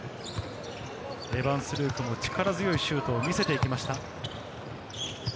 エヴァンス・ルークも力強いシュートを見せていきました。